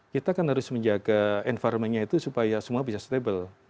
kita kan harus menjaga environmentnya itu supaya semua bisa stabil